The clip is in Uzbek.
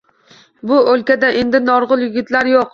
Bu o’lkada endi norg’ul yigitlar yo’q